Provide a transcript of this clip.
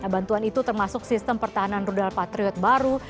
bantuan itu termasuk sistem pertahanan rudal patriot baru